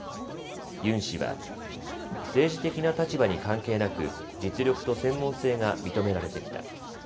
ユン氏は政治的な立場に関係なく実力と専門性が認められてきた。